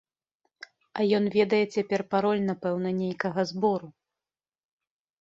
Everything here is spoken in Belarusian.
А ён ведае цяпер пароль напэўна нейкага збору.